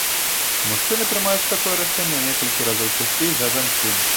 Мужчыны прымаюць такое рашэнне у некалькі разоў часцей за жанчын.